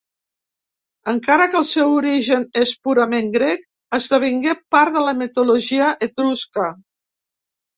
Encara que el seu origen és purament grec, esdevingué part de la mitologia etrusca.